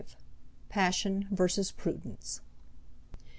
Passion versus Prudence.